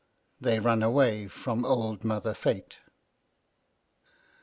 THEY RUN AWAY FROM OLD MOTHER FATE.